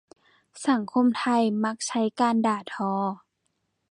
สังคมไทยมักใช้การด่าทอ